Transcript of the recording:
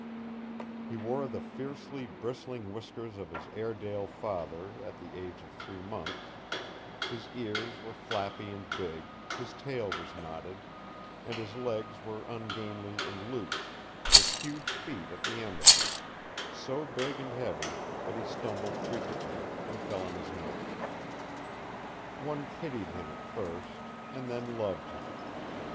He wore the fiercely bristling whiskers of his Airedale father at the age of three months; his ears were flappy and big, his tail was knotted, and his legs were ungainly and loose, with huge feet at the end of them so big and heavy that he stumbled frequently, and fell on his nose. One pitied him at first and then loved him.